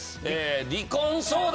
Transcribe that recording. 離婚相談。